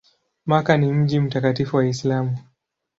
Makka ni mji mtakatifu wa Uislamu.